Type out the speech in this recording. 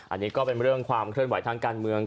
อันนี้ก็เป็นเรื่องความเคลื่อนไหวทางการเมือง